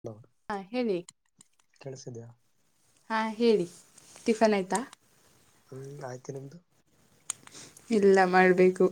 Hello ಹಾ ಹೇಳಿ ಕೆೇಳಸಿದ್ಯಾ. ಹಾಂ ಹೇಳಿ ಟಿಫನ್ ಆಯಿತಾ. ಹ್ಮ್ ಆಯ್ತು ನಿಮ್ದು. ಇಲ್ಲ ಮಾಡ್ಬೇಕು.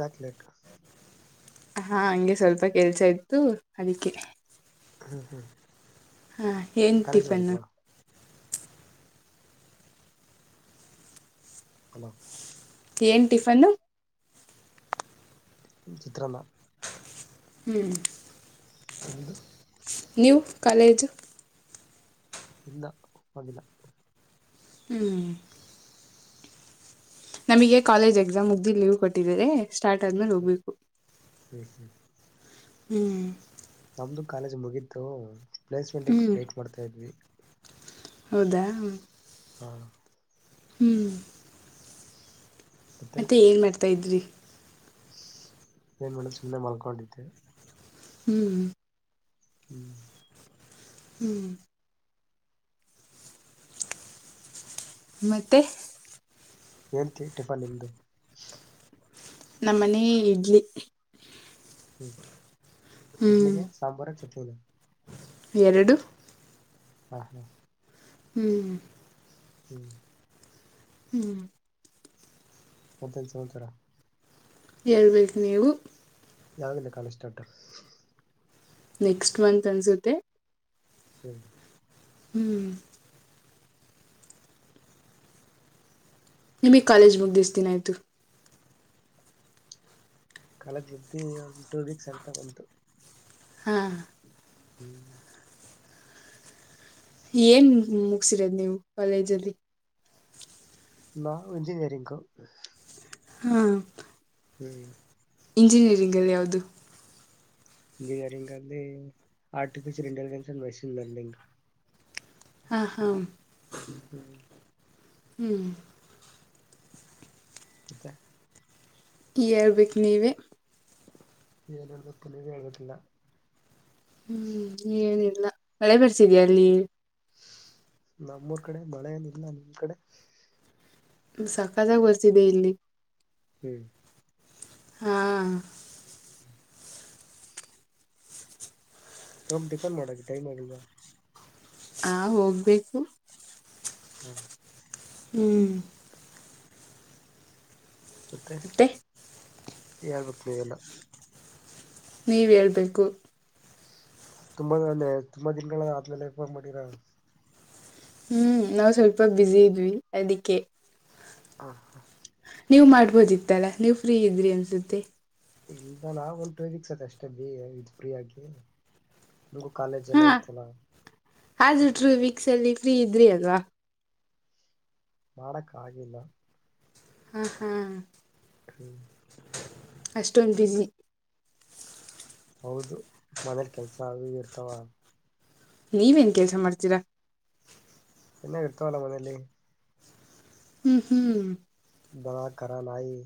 ಯಾಕೆ ಲೇಟು. ಹಾ ಹಂಗೆ ಸ್ವಲ್ಪ ಕೆಲ್ಸ ಇತ್ತು ಅದಕ್ಕೆ. ಹ್ಮ ಹ್ಮ್. ಹಾಂ ಏನು ಕಾಲೇಜ್ ಟಿಫನ್ನು. ಹೋಗಿಲ್ವಾ ಹಲೋ. ಏನ್ ಟಿಫನ್ನು. ಚಿತ್ರನ್ನ. ಹ್ಮ್. ನಿಮ್ದು ನ್ಯೂ ಕಾಲೇಜು. ಇಲ್ಲ ಹೋಗಿಲ್ಲ. ಹ್ಮ್. ನಮಗೆ ಕಾಲೇಜ್ ಎಕ್ಸಾಮ್ ಮುಗ್ದಿ ಲೀವ್ ಕೊಟ್ಟಿದಿದ್ದಾರೆ. ಸ್ಟಾರ್ಟ್ ಆದ್ಮೇಲೆ ಹ್ಮ್ ಹೋಗ್ಬೇಕು. ಹ್ಮ್ ಹ್ಮ್ ಹ್ಮ್. ನಮ್ದು ಕಾಲೇಜ್ ಮುಗೀತು. ಪ್ಲೇಸ್ಮೆಂಟ್ ಹ್ಮ್ ವೈಟ್ ಮಾಡ್ತಾ ಇದ್ವಿ. ಹೌದಾ. ಹಾ. ಹ್ಮ್. ಮತ್ತೆ ಏನ್ ಮಾಡ್ತಾರೆ. ತೈದ್ರರಿ. ಏನ್ ಮಡ ಸುಮ್ನೆ ಮಲ್ಕೊಂಡಿದ್ದೆ. ಹ್ಮ್. ಹ್ಮ್. ಹ್ಮ್. ಮತ್ತೆ. ಏಂತ ಟಿಫನ್ ನಿಮ್ದು. ನಮ್ಮನೆಲಿ ಇಡ್ಲಿ ಹ್ಮ್ ಹ್ಮ್ ಇಡ್ಲಿಕ್ಕೆ ಸಾಂಬಾರ್ ಚಟ್ನಿ ಎರಡು ಹಾ ಹಾ ಹ್ಮ್ [unintelligible] ಹ್ಮ್ ಮಾತೇನು ಸಮಾಚಾರ ಹೇಳ್ಬೇಕು ನೀವು ಯಾವಗಿಂದ ಕಾಲೇಜು ಸ್ಟಾರ್ಟು ನೆಕ್ಸ್ಟ್ ಮಂತ್ ಅನ್ಸುತ್ತೆ ಹ್ಮ್ ಹ್ಮ್ ನಿಮಿಗೆ ಕಾಲೇಜ್ ಮುಗ್ದಿ ಎಷ್ಟು ದಿನ ಆಯ್ತು ಕಾಲೇಜ್ ಮುಗ್ದಿ ಒಂದು ಟೂ ವೀಕ್ಸ್ ಆಯ್ತ ಬಂತು ಹಾ [unintelligible] ಏನ್ ಮುಗಿಸಿರೋದು ನೀವು ಕಾಲೇಜಲ್ಲಿ ನಾನು ಎಂಜಿನಿಯರಿಂಗ್ ಹಾ ಹ್ಮ್ ಇಂಜಿನಿಯರಿಂಗ್ ಅಲ್ಲಿ ಯಾವುದು ಇಂಜಿನಿಯರಿಂಗ್ ಅಲ್ಲಿ artificial intelligence and machine learning ಹ ಹಾ ಹ್ಮ್ ಹ್ಮ್ ಮತ್ತೆ ಹೇಳಬೇಕು ನೀವೇ ಏನ್ ಹೇಳಬೇಕು ನೀವೇ ಹೇಳಬೇಕು ಎಲ್ಲಾ ಹ್ಮ್ ಏನ್ ಹೇಳಿ ಮಳೆ ಬರ್ಸಿದ್ಯಾ ಅಲ್ಲಿ ನಮ್ಮೂರ್ ಕಡೆ ಮಳೆ ಏನಿಲ್ಲ ನಿಮ್ ಕಡೆ ಸಕತ್ ಆಗಿ ಬರ್ತಿದೆ ಇಲ್ಲಿ ಹ್ಮ್ ಹಾ ತಮ್ ಟಿಫನ್ ಮಾಡಕ ಟೈಮ್ ಆಗಿಲ್ವ ಹಾ ಹೋಗ್ಬೇಕು ಹ್ಮ ಹ್ಮ್ ಮತ್ತೆ ಹೇಳಬೇಕು ನೀವೆಲ್ಲ ನೀವ್ ಹೇಳಬೇಕು ತುಂಬಾ ಅಂದೆ ತುಂಬಾ ದಿನನ್ಗಳ ಆದ್ಮೇಲೆ ಫೋನ್ ಮಾಡಿರ ಹ್ಮ್ ನಾವು ಸ್ವಲ್ಪ ಬ್ಯುಸಿ ಇದ್ವಿ ಅದಿಕ್ಕೆ ಹ ಹಾ ನೀವ್ ಮಾಡ್ಬೋದಿತ್ತಲ್ಲಾ ನೀವ್ ಫ್ರೀ ಇದ್ರಿ ಅನ್ಸುತ್ತೆ ಇಲ್ಲ ನಾ ಒಂದ್ ಟು ವೀಕ್ಸ್ ಬಿ ಅಷ್ಟೇ ಫ್ರೀ ಆಕಿ ನಮಗೂ ಕಾಲೇಜ್ ಎಲ್ಲಾ ಇತ್ತಲ್ಲ ಅದು ಟ್ರೂ ವೀಕ್ಸ್ ಅಲ್ಲಿ ಫ್ರೀ ಇದ್ರಿ ಅಲ್ವಾ ಮಾಡಕ್ ಆಗಿಲ್ಲ ಹಾ ಹಾ ಹ್ಮ್ ಅಷ್ಟೊಂದು ಬಿಜಿ ಹೌದು ಮನೆಯಲ್ಲಿ ಕೆಲಸ ಅವು ಇವು ಇರ್ತಾವ ನೀವೇನ್ ಕೆಲ್ಸ ಮಾಡ್ತೀರಾ ಎನ್ನ ಕಡ್ತವಲ್ಲ ಮನೇಲಿ ಹ್ಮ್ ಹ್ಮ್ ದನ ಕರ ನಾಯಿ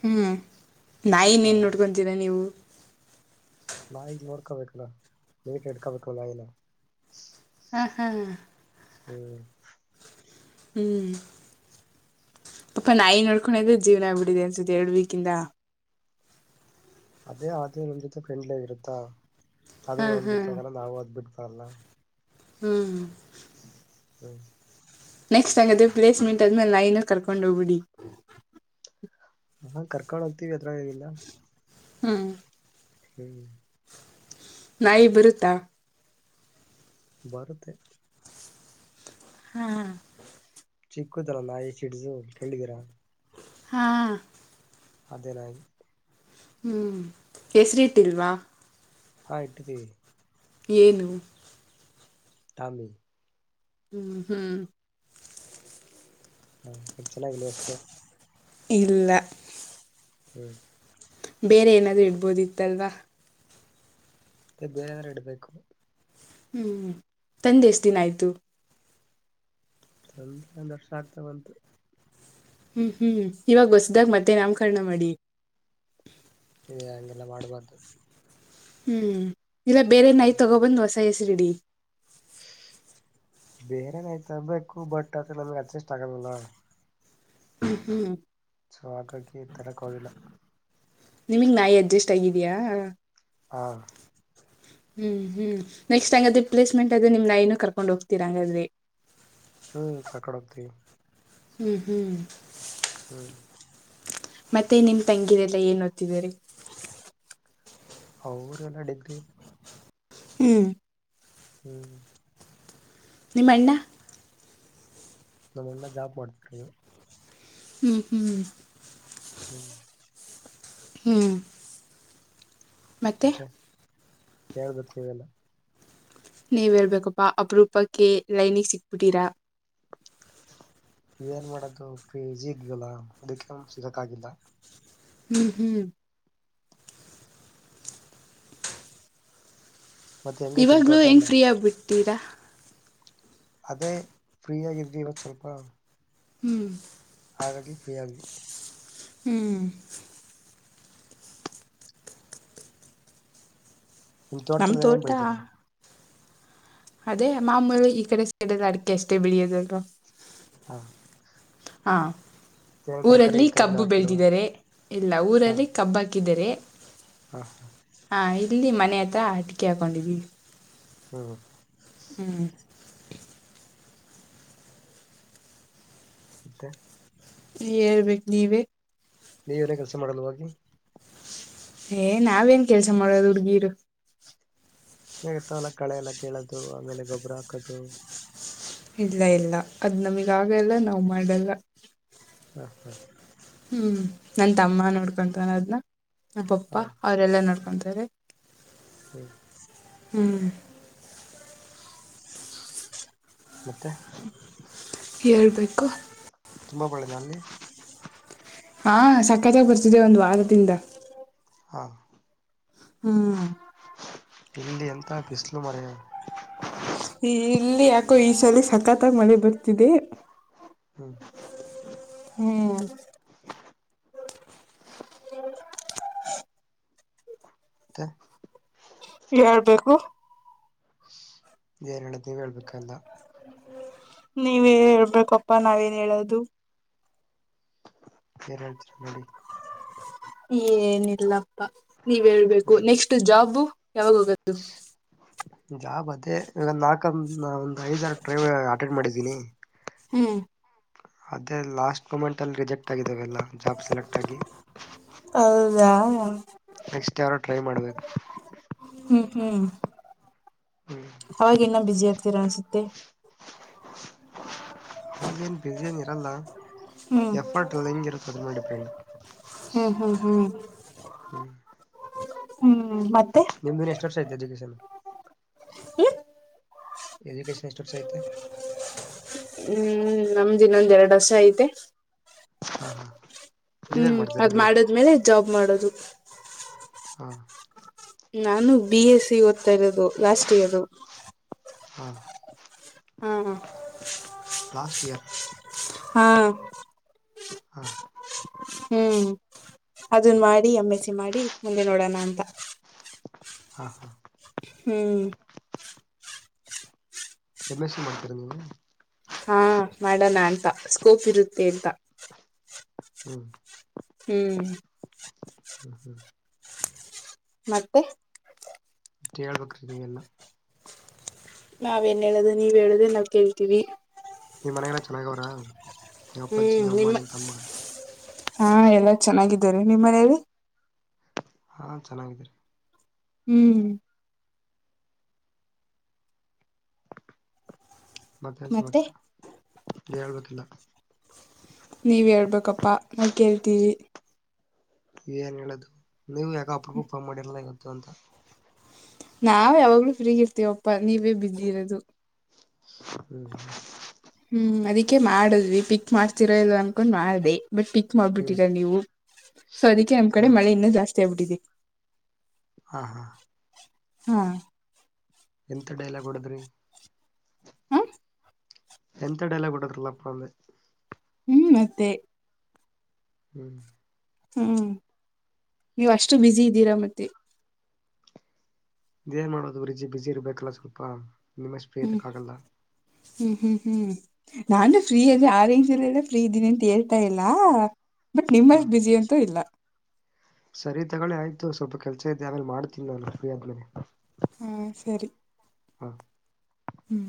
ಹ್ಮ್ ನಾ ಹ ಇನ್ನೇನ್ ನೋಡ್ಕೊತೀರ ನೀವು ನಾಯಿಗೆ ನೋಡ್ಕೊಬೇಕಲ್ಲ ನೀಟ್ ಇಡ್ಕೊಬೇಕಲ್ಲ ನಾಯಿನ ಹ ಹಾ ಹ್ಮ್ ಹ್ಮ್ ಪಾಪಾ ನಾಯಿ ನೋಡ್ಕೊಂಡದೆ ಜೀವನ ಆಗ್ಬಿಡಿದೆ ಅನ್ಸುತ್ತ ಎರಡ್ ವೀಕ್ ಇಂದ ಅದೇ ಆದೇ ನಮ್ ಜೊತೆ ಫ್ರೆಂಡ್ಲಿ ಆಗಿರುತ್ತಾ ಅದು ಹಾ ನನ್ ಹಾ ಬಿಟ್ಟೋಗಲ್ಲ ನಾವು ಅದನ್ನು ಬಿಡ್ ಅಲ್ಲ ಹ್ಮ್ ಹ್ಮ್ ನೆಕ್ಸ್ಟ್ ಆಂಗದೆ ಪ್ಲೇಸ್ಮೆಂಟ್ ಆದ್ಮೇಲೆ ನಾಯಿನು ಕರ್ಕೊಂಡ ಹೋಗ್ಬಿಡಿ ಹಾ ಕರ್ಕೊಂಡ ಹೋಗ್ತಿವಿ ಅದರ ಲ್ಲೇನಿಲ್ಲ ಹ್ಮ್ ಹ್ಮ್ ನಾಯಿ ಬರುತ್ತಾ ಬರುತೆ ಹಾ ಚಿಕ್ಕುದಲ್ಲ ನಾಯಿ ಸಿಡ್ಸು ಕೇಳಿದೀರಾ ಹಾ ಅದೇ ನಾಯಿ ಹ್ಮ್ ಹೆಸರಿ ಇಟ್ಟಿಲ್ವಾ ಹ ಇಟ್ಟಿದ್ದೀವಿ ಏನು ಟಾಮಿ ಹ್ಮ್ ಹ್ಮ್ ಹಾ ಚೆನ್ನಾಗಿಲ್ವಾ ಹೆಸರು ಇಲ್ಲ ಹ್ಮ್ ಬೇರೆ ಏನಾದ್ರು ಇಡ್ಬೋದಿತ್ತಲ್ವಾ ಮತ್ತೇ ಬೇರಾದ್ರ ಇಡ್ಬೇಕು ಹ್ಮ್ ತಂದೆ ಎಷ್ಟ ದಿನ ಆಯ್ತು ತೊಂದ್ರೆ ಒಂದ್ ವರ್ಷ ಆಗ್ತಾ ಬಂತು ಹ್ಮ್ ಹ್ಮ್ ಇವಾಗ ಹೊಸದಾಗ ಮತ್ತೆ ನಾಮಕರಣ ಮಾಡಿ ಏ ಹಗೆಲ್ಲ ಮಾಡಬಾರ್ದು ಹ್ಮ್ ಇಲ್ಲ ಬೇರೆ ನೈ [unintelligible] ತಗೊ ಬಂದ್ ಹೊಸ ಇ [unintelligible] ಬೇರೆನೆ ತರ್ಬೇಕು ಬಟ್ ಆದ್ರೆ ನಮ್ಗೆ ಅಡ್ಜಸ್ಟ್ ಆಗಲ್ಲಲ್ಲ. ಹ್ಮ್ ಹ್ಮ್ [unintelligible] ಸೊ ಹಾಗಾಗಿ ತರೊಕ ಹೋಗಿಲ್ಲ. ನಿಮಗ್ ನಾಯಿ ಅಡ್ಜಸ್ಟ್ ಆಗಿದಯಾ. ಹ ಹ್ಮ್ ಹ್ಮ್ ನೆಕ್ಸ್ಟ್ ಹಂಗಾದ್ರೆ ಪ್ಲೇಸ್ಮೆಂಟ್ ಅದೆ ನಿಮ್ ನಾಯಿನೂ ಕರ್ಕೊಂಡ್ ಹೋಗ್ತೀರಾ ಹಂಗಾದ್ರೆ. ಹ್ಮ್ ತಗೊಂಡ್ [unintelligible] ಹೋಗ್ತಿವಿ. ಹ್ಮ್ ಹ್ಮ್ ಹ್ಮ್ ಮತ್ತೆ ನಿಮ್ ತಂಗಿರೆಲ್ಲ ಏನ್ ಓದ್ತಿದಾರೆ. ಅವ್ರ ಎಲ್ಲ ಡಿಗ್ರಿ ಹ್ಮ್ ಹ್ಮ್ ನಿಮ್ಮಣ್ಣ ನಮ್ಮಣ್ಣ ಜಾಬ್ ಮಾಡ್ತಿರದು. [unintelligible] ಹ್ಮ್ ಹ್ಮ ಹ್ಮ್ [inaudible] ಹ್ಮ್ ಮತ್ತೆ ಹೇಳ್ಬೇಕು ನೀವೆಲ್ಲ. [unintelligible] ನೀವೇಳ್ಬೇಕಪ್ಪಾ ಅಪರೂಪಕ್ಕೆ ಲೈನಿಗೆ ಸಿಕ್ಬಿಟ್ಟೀರಾ. ಏನ್ ಮಾಡಕ್ಕೆ ಆಗುತ್ತೆ [unintelligible] ಅದಕ್ಕೆ ಸಿಗಕ್ಕಾಗಿಲ್ಲ. ಹ್ಮ್ ಹ್ಮ್ [unintelligible] ಮತ್ತೆ ಹೆಂಗೈತಿ ನಿಮ್ ಇವಾಗ್ಲು ತೋಟ ಹೆಂಗ್ ಎಲ್ಲ ಫ್ರೀ ಆಗ್ಬಿಟ್ [unintelligible] ಅದೇ ಫ್ರೀ ಆಗಿದ್ವಿ ಇವತ್ [unintelligible] ಸ್ವಲ್ಪ ಹ್ಮ್ ಹಾಗಾಗಿ ಫ್ರೀ ಆದ್ವಿ [unintelligible] ಹ್ಮ್ ನಿಮ್ ನಮ್ ತೋಟದಲ್ ಏನ್ ಏನ್ ತೋಟ ಬೆಳಿತೀರಾ ಅದೇ ಮಾಮೂಲಿ ಈ ಕಡೆ ಸೇಡಲಿ [inaudible] ಅಡಿಕೆ ಅಷ್ಟೇ ಬೆಳಿಯೋದ ಅಲ್ವಾ. ಹಾ ಹಾ ಏನೇನ್ ತರಕಾರಿ ಊರಲ್ಲಿ ಗಿಕಾರಿ ಏನು ಕಬ್ಬು ಹಾಕಿಲ್ವಾ ಬೆಳದಿದ್ದಾರೆ ಇಲ್ಲ ಹಾ ಊರಲ್ಲಿ ಕಬ್ಬ ಹಾ [unintelligible] ಕಿದರೆ [unintelligible] ಹಾ [unintelligible] ಹಾ ಇಲ್ಲಿ ಮನೆ ಹತ್ರ ಅಡಿಕೆ ಹಾಕೊಂಡಿದ್ವಿ. ಹ್ಮ ಹ್ಮ ಮತ್ತೆ [inaudible] ಹೇಳ್ಬೇಕ್ ನೀವೇ. ನೀವ ಏನೇ ಕೆಲ್ಸ ಮಾಡಲ್ವಾ ಹೋಗಿ? ಏ ನಾವೇನ್ ಕೆಲ್ಸ ಮಾಡೋದು ಹುಡ್ಗೀರು. ಹೇ ಇರ್ತಾವಲ್ಲ ಕಳೆ ಎಲ್ಲ ಕಿಳೋದು ಆಮೇಲೆ ಗೊಬ್ಬರ ಹಾಕದು, ಇಲ್ಲ ಇಲ್ಲ ಅದ್ ನಮಿಗ್ ಆಗಲ್ಲ ನಾವ್ ಮಾಡಲ್ಲ. ಹ ಹ ಹ್ಮ್ ನನ್ ತಮ್ಮ ನೋಡ್ಕೊಂತಾನ ಅದ್ನ. ನಮ್ ಪಪ್ಪ ಹ ಅವರೆಲ್ಲಾ ನಡ್ಕೊಂತ ನೆರಿ ಹ್ಮ್ ಹ್ಮ್ [inaudible] ಮತ್ತೆ ಹೇಳ್ಬೇಕು. ತುಂಬಾ ಮಳೆ ನಾ ಅಲ್ಲಿ? ಹಾ ಸಕ್ಕತಾಗ್ ಬರ್ತಿದೆ ಒಂದ್ ವಾರದಿಂದ. ಹ ಹ್ಮ್ ಇಲ್ಲಿ ಎಂತ ಬಿಸಲು ಮರೆಯ ಇಲ್ಲಿ ಯಾಕೋ ಈ ಸಲಿ ಸಕ್ಕತ್ತಾಗ್ ಮಳೆ ಬರ್ತಿದೆ. ಹ್ಮ ಹ್ಮ ತ್ತೆ ಹೇಳ್ಬೇಕು. ಏನ್ ಹೇಳದ್ ನೀವೆ ಹೇಳ್ಬೇಕ್ ಎಲ್ಲ. ನೀವೇ ಹೇಳ್ಬೇಕಪ್ಪಾ ನಾವೇನ್ ಹೇಳದು. ಹೇರಳ್ ಚ [unintelligible] ಏನಿಲ್ಲ ಪ ನೀವ್ ಹೇಳ್ಬೇಕು ಹ್ಮ್ ನೆಕ್ಸ್ಟ್ ಜಾಬ್ ಯಾವಾಗೊಗದು. ಜಾಬ್ ಅದೇ ಲ ನಾಕ ಕಮ್ ಒಂದ್ ಐದ್ ಆರ್ ಟ್ರೈವ ಅಟೆಂಡ್ ಮಾಡಿದ್ದೀನಿ ಹ್ಮ್ ಅದೇ ಲಾಸ್ಟ್ ಮುಮೆನ್ ಟಲ್ ರಿಜೆಕ್ಟ್ ಆಗಿದ್ದಾವೆಲ್ಲ ಜಾಬ್ ಸೆಲೆಕ್ಟ್ ಆಗಿ ದಾ ನೆಕ್ಸ್ಟ್ ಯಾರೋ ಟ್ರೈ ಮಾಡ್ಬೇಕು. ಹ್ಮ್ ಅವಾಗ್ ಇನ್ನ ಬ್ಯುಸಿ ಆಗ್ತೀರಾ ಅನ್ಸುತ್ತೆ. ಅವಾಗೇನ್ ಬ್ಯುಸಿ ಏನ್ ಇರಲ್ಲ ಹ್ಮ್ ಎಫರ್ಟ್ ಎಲ್ಲ ಹೆಂಗ ಇರತ್ತ ಅದ್ರು ಮೇಲ್ ಡಿಪೆಂಡ್. ಹ್ಮ್ ಹ್ಮ್ ಹ್ಮ್ ಹ್ಮ್ ಹ್ಮ್ ಮತ್ತೆ ನಿಮ್ದಿನ್ನು ಎಷ್ಟು ವರ್ಷ ಐತ್ ಎಜುಕೇಷನ್? ಹ್ಮ್ ಎಜುಕೇಶನ್ ಏಷ್ಟ್ ವರ್ಷ ಐತಿ. ಹ್ಮ್ ನಮ್ದಿನೊಂದ್ ಎರಡು ವರ್ಷ ಐತೆ ಹಾ ಹಾ ನೀವೇನ್ ಹ್ಮ್ ಅದ್ ಮಾಡ್ತಿರೋದು ಇವಾಗ ಮಾಡದ್ಮೇಲೆ ಜಾಬ್ ಮಾಡೋದು ಹಾ ನಾನು ಬಿ ಎಸ್ ಸಿ ಓದ್ತಾ ಇರೋದು ಲಾಸ್ಟ್ ಇಯರ್ ಹಾ ಹ್ಮ ಲಾಸ್ಟ್ ಇಯರ್ ಹಾ ಹಾ ಹ್ಮ್ ಅದನ್ ಮಾಡಿ ಎಮ ಎ ಸಿ ಮಾಡಿ ಮುಂದೆ ನೋಡೋಣ ಅಂತ ಹಾ ಹಾ ಹ್ಮ್ ಯಮ ಸೀ ಮಾಡ್ತೀರ ನೀವು ಹಾ ಮಾಡೋಣ ಅಂತ ಸ್ಕೋಪ್ ಇರುತ್ತೆ ಅಂತ ಹ್ಮ್ ಹ್ಮ್ ಹ್ಮ ಹ್ಮ್ ಮತ್ತತ್ತೆ ಹೇಳ್ಬೇಕ್ರೀ ನೀವ ಎಲ್ಲ ನಾವೇನ್ ಹೇಳೋದು ನೀವ್ ಹೇಳುದ ನಾವ್ ಕೇಳ್ತೀವಿ ನಿ್ ಮನೆಲ್ಲ ಚೆನ್ನಾಗಾವ್ರ ಹ್ಮ್ ನಿಮ್ಮ ಹಾ ಎಲ್ಲಾ ಚೆನ್ನಾಗ ನಿಮ್ಮನೆಯಲ್ಲಿ ಹಾ ಚೆನ್ನಾಗಿದೀರಿ ಹ್ಮ್ ಮತ್ತೆ ಸಂಸರ ಹೇಳ್ಬೇ ಯೆಲ್ಲಾ ನೀವ್ ಹೇಳ್ಬೇಕಪ್ಪಾ ನಾವ ಕೇಳ್ತೀವಿ ಏನ್ ಹೇಳುದು ನೀವು ಯಾಕಪ್ರಗೂ ಉಪ ಮಾಡಿರಲ್ಲ ಇವತ್ತು ಅಂತ ನಾವ ಯಾವಾಗ್ಲೂ ಫ್ರೀಗ ಇರ್ತೀವಪ್ಪಾ ನೀವೇ ಬೂಸ್ಯ ಇರೋದು ಹ್ಮ್ ಹ್ಮ ಹ್ಮ್ ಅದಕ್ಕೆೇ ಮಾಡದ್ವಿ ಪಿಕ್ ಮಾಡ್ತಿರೋ ಇಲ್ ಅನ್ಕೊಂಡ್ ಮಾಡ್ದ ಬಟ್ ಪಿಕ್ ಹ್ಮ್ ಮಾಡ್ಬಿಟ್ಟಿರಾ ನೀವು ಸೊ ಅದಕ್ಕೆ ನಮ್ ಹಾ ಕಡೆ ಮಳೆ ಇನ್ನುೂ ಜಾಸ್ತಿ ಬಡಿದೆ ಹಾ ಹಾ ಹ್ಮ ಎಂತ ಡೈಲಾಗ್ ಹೊಡದ್ರಿ ಹ ಎಂತ ಡೈಲಾಗ್ ಹೊಡೆದ್ರಲ್ಲಪ್ಪ ಅಂದು ಮತ್ತೆ ಹ್ಮ್ ಹ್ಮ್ ನೀವ್ ಅಷ್ಟು ಬ್ಯುಸಿ ಇದ್ದೀರಾ ಮತ್ತೆ ಇದ ಏನ್ ಮಾಡೋದು ಬ್ರಿಜ್ ಬಿಸಿ ಇರ್ಬೇಕಲ್ಲ ಸ್ವಲ್ಪ ನಿಮ್ಮಷ್ಟಪ ಹ್ಮ್ ಇರಕ್ಕ ಆಗಲ್ಲ ಹ್ಮ್ ಹ್ಮ್ ಹ್ಮ್ ನಾನು ಫ್ರೀ ಅದೆ ಆರೇಂಜ್ಲ್ಲಲ್ಲ ಫ್ರೀ ಇದ್ದೀನಿ ಅಂತ ಹೇಳ್ತಾ ಇಲ್ಲ ಬಟ್ ಹಾ ನಿಮ್ಮಷ್ ಬಿಜಿ ಅಂತೂ ಇಲ್ಲ. ಸರಿ ತಗೊಳ್ಳಿ ಆಯ್ತು ಸ್ವಲ್ಪ ಕೆಲ್ಸ ಇದೆ ಆಮೇಲೆ ಮಾಡ್ತೀನಿ ನಾನ್ ಫ್ರೀ ಆದ್ಮೇಲೆ. ಹಂ ಸರಿ. ಹಾ ಹ್ಮ್